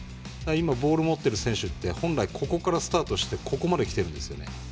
ボール持ってる選手って本来、下からスタートしてここまできてるんです。